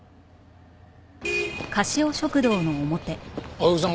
青柳さん